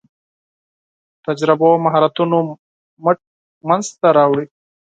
تجربو مهارتونو مټ منځ ته راوړي.